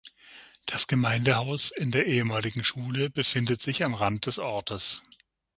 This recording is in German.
Das Gemeindehaus in der ehemaligen Schule befindet sich am Rand des Ortes.